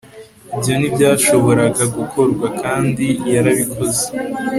ibyo ntibyashoboraga gukorwa, kandi yarabikoze